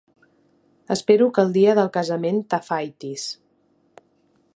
Espero que el dia del casament t'afaitis.